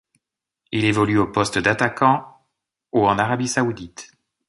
Il évolue au poste d'attaquant au en Arabie Saoudite.